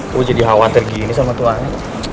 gue jadi khawatir gini sama tuhannya